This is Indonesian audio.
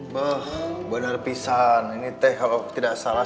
mbah banar pisang ini teh kalo tidak salah